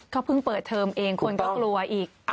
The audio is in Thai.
เขาเพิ่งเปิดเทอมเองคนก็กลัวอีก